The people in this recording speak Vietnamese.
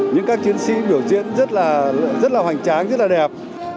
những các chiến sĩ biểu diễn rất là hoành tráng rất là đẹp